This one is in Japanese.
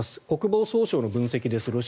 国防総省の分析です。